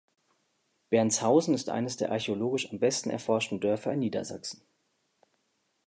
Bernshausen ist eines der archäologisch am besten erforschten Dörfer in Niedersachsen.